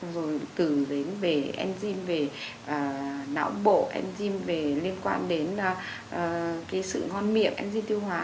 rồi từ đến về enzyme về não bộ enzyme về liên quan đến cái sự ngon miệng enzyme tiêu hóa